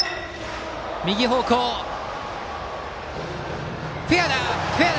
右方向、フェアだ！